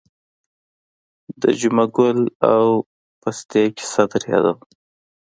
د جمعه ګل او پستکي کیسه در یادوم.